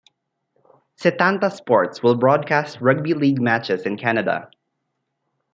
Setanta Sports will broadcast rugby league matches in Canada.